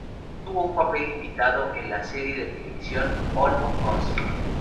Tuvo un papel invitado en la serie de televisión "All of Us".